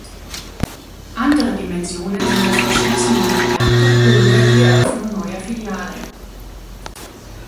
Andere Dimensionen sind das Erschließen neuer Märkte oder die Eröffnung neuer Filialen.